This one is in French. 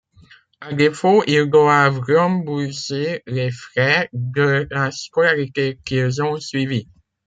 À défaut, ils doivent rembourser les frais de la scolarité qu'ils ont suivie.